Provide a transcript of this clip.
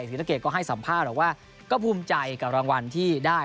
ศรีสะเกดก็ให้สัมภาษณ์บอกว่าก็ภูมิใจกับรางวัลที่ได้